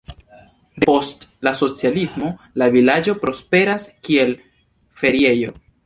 Depost la socialismo la vilaĝo prosperas, kiel feriejo.